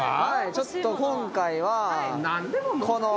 ちょっと今回はこの。